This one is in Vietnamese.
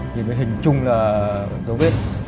nhìn với hình chung là dấu vết